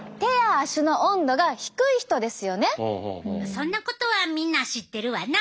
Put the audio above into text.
そんなことはみんな知ってるわな。